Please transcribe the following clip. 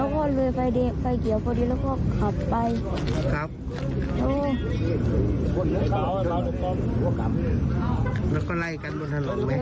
ครับพี่ฮ่อ